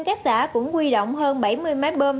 các xã cũng quy động hơn bảy mươi máy bơm